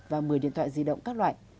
và một mươi điện thoại di động các loại